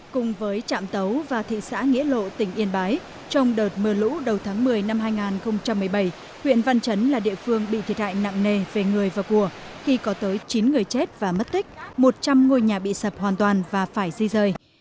cùng với trạm tấu và thị xã nghĩa lộ tỉnh yên bái trong đợt mưa lũ đầu tháng một mươi năm hai nghìn một mươi bảy huyện văn chấn là địa phương bị thiệt hại nặng nề về người và của khi có tới chín người chết và mất tích một trăm linh ngôi nhà bị sập hoàn toàn và phải di rời